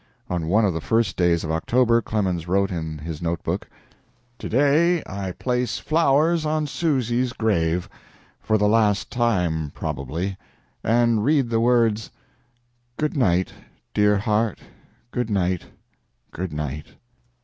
On one of the first days of October Clemens wrote in his note book: "To day I place flowers on Susy's grave for the last time, probably and read the words, 'Good night, dear heart, good night, good night.'"